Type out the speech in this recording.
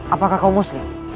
apakah kau muslim